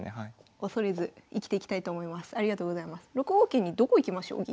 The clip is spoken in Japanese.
桂にどこ行きましょう銀。